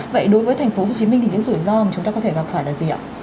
vậy đối với thành phố hồ chí minh thì những rủi ro mà chúng ta có thể gặp phải là gì ạ